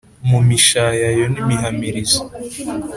Mu mishayayo n' imihamirizo.